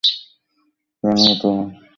কেন হত না?